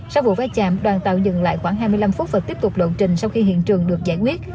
sau vụ va chạm đoàn tàu dừng lại khoảng hai mươi năm phút và tiếp tục lộn trình sau khi hiện trường được giải quyết